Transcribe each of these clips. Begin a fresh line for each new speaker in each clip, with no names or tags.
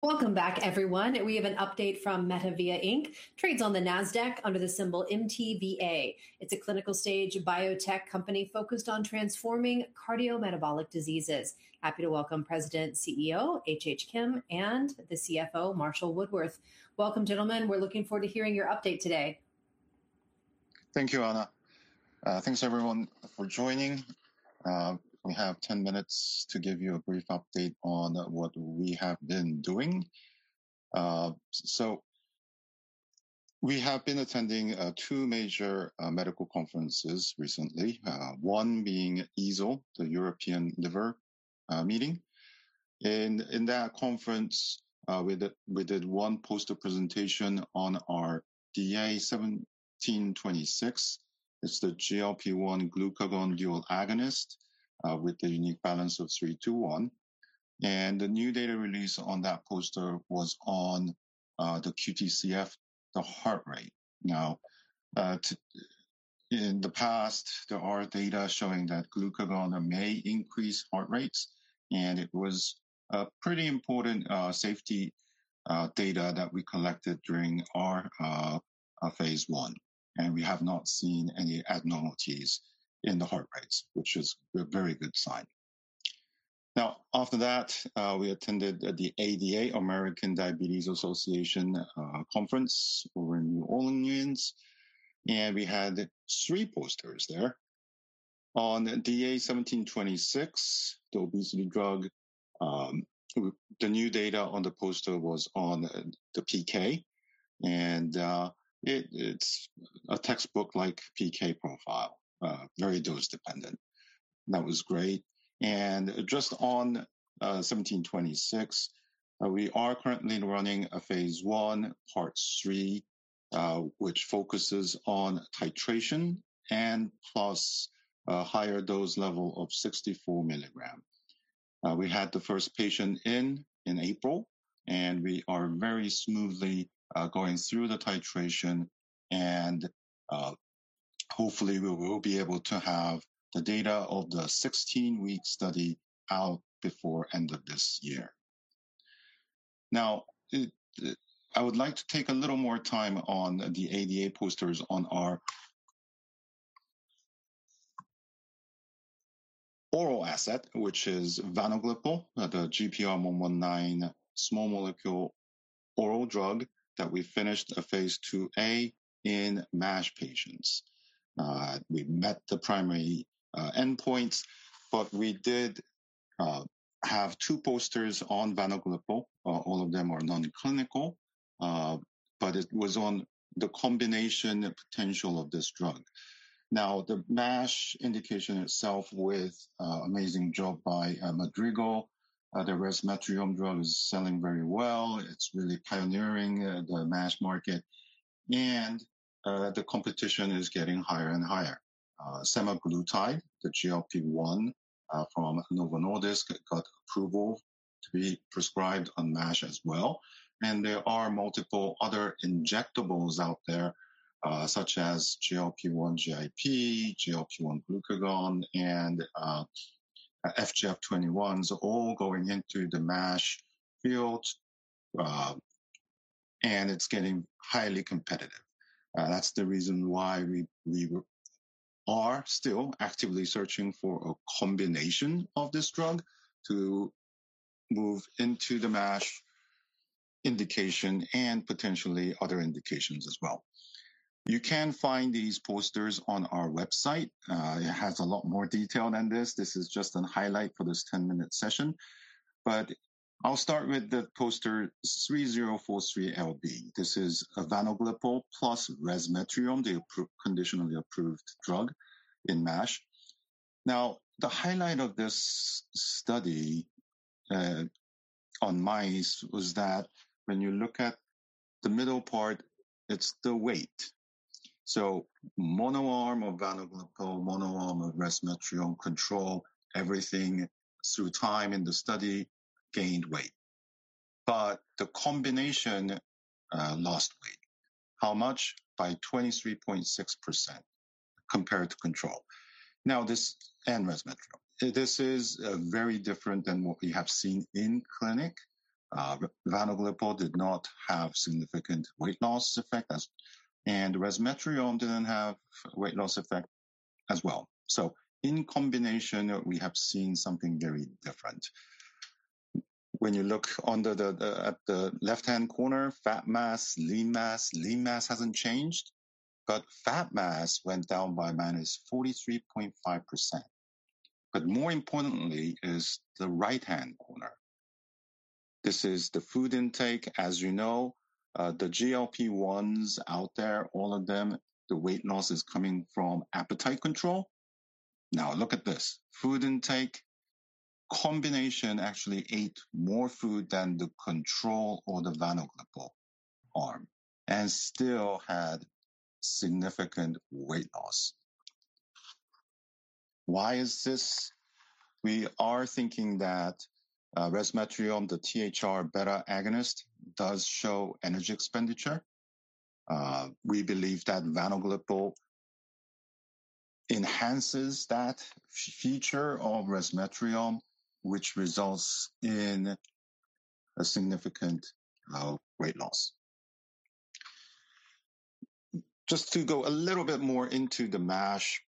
Welcome back, everyone. We have an update from MetaVia Inc. Trades on the NASDAQ under the symbol MTVA. It's a clinical stage biotech company focused on transforming cardiometabolic diseases. Happy to welcome President CEO, H.H. Kim, and the CFO, Marshall Woodworth. Welcome, gentlemen. We're looking forward to hearing your update today.
Thank you, Anna. Thanks everyone for joining. We have 10 minutes to give you a brief update on what we have been doing. We have been attending two major medical conferences recently. One being EASL, the European Liver Meeting, and in that conference, we did one poster presentation on our DA-1726. It's the GLP-1 glucagon dual agonist with the unique balance of 3:1, and the new data release on that poster was on the QTcF, the heart rate. In the past, there are data showing that glucagon may increase heart rates, and it was a pretty important safety data that we collected during our phase I, and we have not seen any abnormalities in the heart rates, which is a very good sign. After that, we attended the ADA, American Diabetes Association conference over in New Orleans, and we had three posters there. On DA-1726, the obesity drug, the new data on the poster was on the PK. It's a textbook-like PK profile, very dose-dependent. That was great. Just on 1726, we are currently running a phase I, part three, which focuses on titration and plus a higher dose level of 64 mg. We had the first patient in in April, and we are very smoothly going through the titration and hopefully we will be able to have the data of the 16-week study out before end of this year. I would like to take a little more time on the ADA posters on our oral asset, which is vanoglipol, the GPR119 small molecule oral drug that we finished a phase IIa in MASH patients. We met the primary endpoints, but we did have two posters on vanoglipol. All of them are non-clinical. It was on the combination potential of this drug. The MASH indication itself with amazing job by Madrigal. The resmetirom drug is selling very well. It's really pioneering the MASH market. The competition is getting higher and higher. semaglutide, the GLP-1 from Novo Nordisk, got approval to be prescribed on MASH as well. There are multiple other injectables out there, such as GLP-1/GIP, GLP-1 glucagon, and FGF21s all going into the MASH field. It's getting highly competitive. That's the reason why we are still actively searching for a combination of this drug to move into the MASH indication and potentially other indications as well. You can find these posters on our website. It has a lot more detail than this. This is just a highlight for this 10-minute session. I'll start with the poster 3043LB. This is vanoglipol plus resmetirom, the conditionally approved drug in MASH. The highlight of this study on mice was that when you look at the middle part, it is the weight. Mono arm of vanoglipol, mono arm of resmetirom control, everything through time in the study gained weight. The combination lost weight. How much? By 23.6% compared to control. This, and resmetirom. This is very different than what we have seen in clinic. Vanoglipol did not have significant weight loss effect, and resmetirom did not have weight loss effect as well. In combination, we have seen something very different. When you look at the left-hand corner, fat mass, lean mass. Lean mass has not changed, but fat mass went down by -43.5%. More importantly is the right-hand corner. This is the food intake. As you know, the GLP-1s out there, all of them, the weight loss is coming from appetite control. Look at this. Food intake combination actually ate more food than the control or the vanoglipol arm, and still had significant weight loss. Why is this? We are thinking that resmetirom, the THR-β agonist, does show energy expenditure. We believe that vanoglipol enhances that feature of resmetirom, which results in a significant weight loss. Just to go a little bit more into the MASH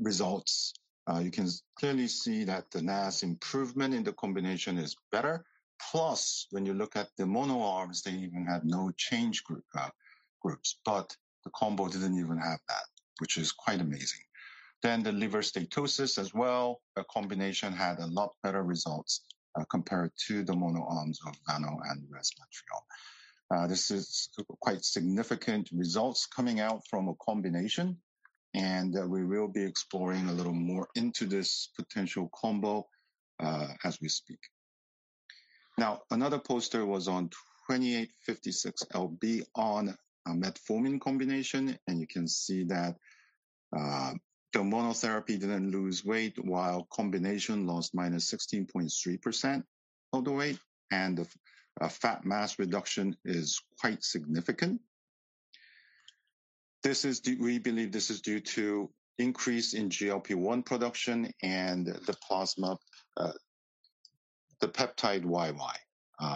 results, you can clearly see that the NAS improvement in the combination is better. Plus, when you look at the mono arms, they even had no change groups. The combo did not even have that, which is quite amazing. The liver steatosis as well, the combination had a lot better results compared to the mono arms of vano and resmetirom. This is quite significant results coming out from a combination, we will be exploring a little more into this potential combo as we speak. Another poster was on 2856LB on a metformin combination, and you can see that the monotherapy did not lose weight while combination lost -16.3% of the weight, and the fat mass reduction is quite significant. We believe this is due to increase in GLP-1 production and the Peptide YY.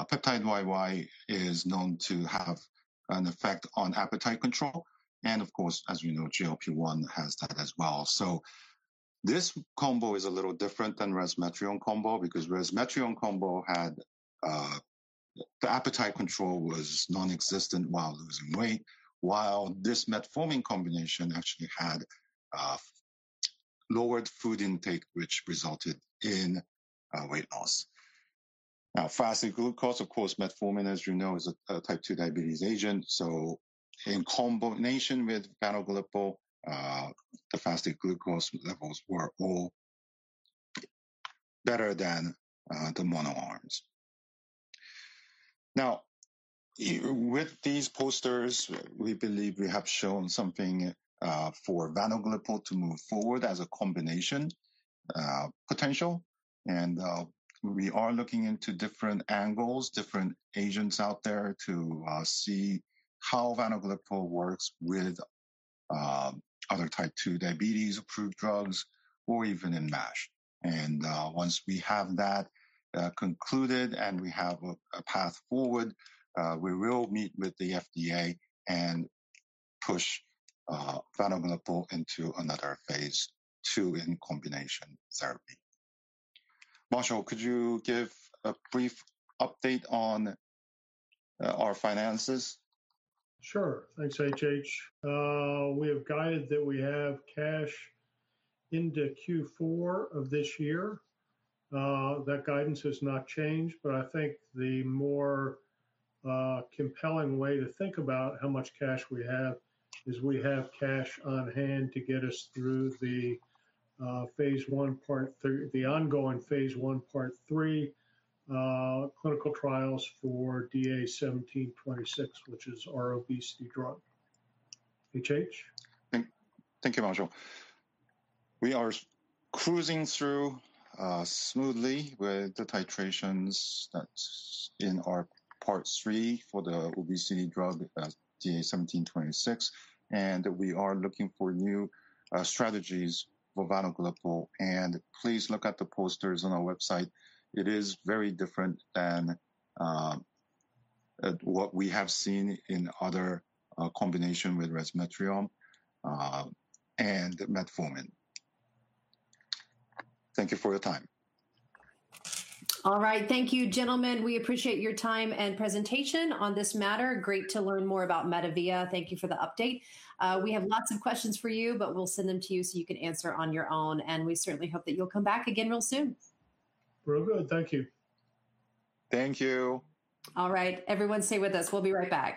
Peptide YY is known to have an effect on appetite control, and of course, as we know, GLP-1 has that as well. This combo is a little different than resmetirom combo because resmetirom combo, the appetite control was non-existent while losing weight, while this metformin combination actually had lowered food intake, which resulted in weight loss. Fasting glucose, of course, metformin, as you know, is a Type 2 diabetes agent, in combination with vanoglipol, the fasting glucose levels were all better than the mono arms. With these posters, we believe we have shown something for vanoglipol to move forward as a combination potential, we are looking into different angles, different agents out there to see how vanoglipol works with other Type 2 diabetes-approved drugs or even in MASH. Once we have that concluded and we have a path forward, we will meet with the FDA and push vanoglipol into another phase II in combination therapy. Marshall, could you give a brief update on our finances?
Sure. Thanks, H.H. We have guided that we have cash into Q4 of this year. That guidance has not changed, but I think the more compelling way to think about how much cash we have is we have cash on hand to get us through the ongoing phase I, part three clinical trials for DA-1726, which is our obesity drug. H.H.?
Thank you, Marshall. We are cruising through smoothly with the titrations that's in our part three for the obesity drug, DA-1726. We are looking for new strategies for vanoglipol. Please look at the posters on our website. It is very different than what we have seen in other combination with resmetirom and metformin. Thank you for your time.
All right. Thank you, gentlemen. We appreciate your time and presentation on this matter. Great to learn more about MetaVia. Thank you for the update. We have lots of questions for you, but we'll send them to you so you can answer on your own. We certainly hope that you'll come back again real soon.
Very good. Thank you.
Thank you.
All right. Everyone, stay with us. We'll be right back.